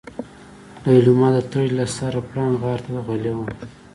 ليلما د تړې له سره پړانګ غار ته غلې وه.